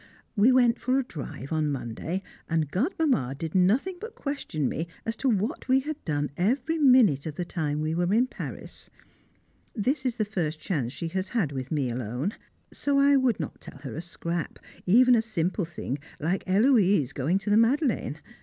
We went for a drive on Monday, and Godmamma did nothing but question me as to what we had done every minute of the time while we were in Paris. This is the first chance she has had with me alone. So I would not tell her a scrap, even a simple thing like Héloise going to the Madeleine.